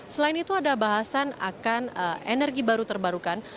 selain itu ada bahasan akan energi baru terbarukan